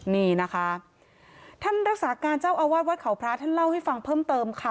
นี่นะคะท่านรักษาการเจ้าอาวาสวัดเขาพระท่านเล่าให้ฟังเพิ่มเติมค่ะ